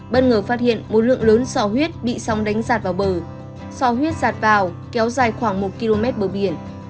bất ngờ phát hiện một lượng lớn sò huyết bị sóng đánh giạt vào bờ sò huyết giạt vào kéo dài khoảng một km bờ biển